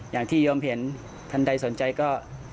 อย่างที่โยมเห็นท่านใดสนใจก็